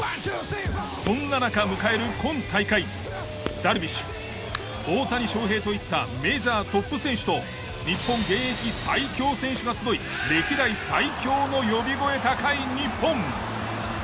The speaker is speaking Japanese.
ダルビッシュ大谷翔平といったメジャートップ選手と日本現役最強選手が集い歴代最強の呼び声高い日本。